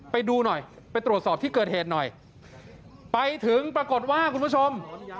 ไปดูหน่อยไปตรวจสอบที่เกิดเหตุหน่อยไปถึงปรากฏว่าคุณผู้ชม